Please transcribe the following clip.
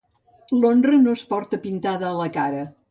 L'honra no es porta pintada a la cara